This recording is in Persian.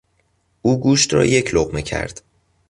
او گوشت را یک لقمه کرد.